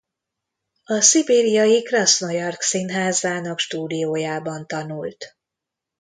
A szibériai Krasznojarszk színházának stúdiójában tanult.